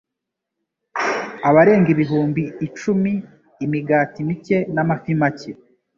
abarenga ibihumbi icumi imigati mike n'amafi make.